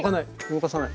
動かさない。